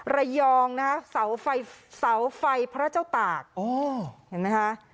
ระยองนะฮะเสาไฟพระเจ้าตากเห็นไหมฮะ